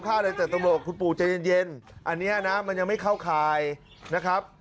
อะไรแต่ตำรวจคุณปู่ใจเย็นอันนี้นะมันยังไม่เข้าข่ายนะครับ